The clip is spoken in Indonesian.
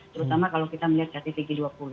terutama kalau kita melihat kttg dua puluh